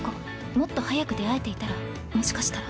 もっと早く出会えていたらもしかしたら。